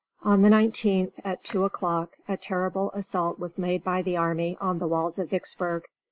On the 19th, at two o'clock, a terrible assault was made by the army on the walls of Vicksburg.